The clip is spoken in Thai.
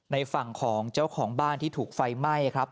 ในฝั่งของเจ้าของบ้านที่ถูกไฟไหม้ครับ